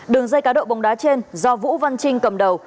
đường dây cá độ bóng đá trên do vũ văn trinh cầm đầu